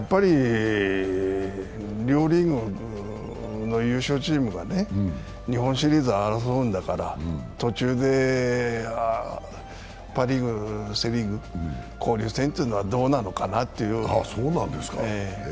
両リーグの優勝チームが日本シリーズを争うんだから、途中でパ・リーグ、セ・リーグ、交流戦というのはどうなのかなっていう。